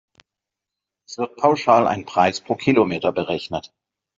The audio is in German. Es wird pauschal ein Preis pro Kilometer berechnet.